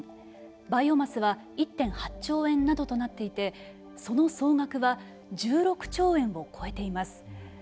バイオマスは１．８兆円などとなっていてその総額は１６兆円を超えています。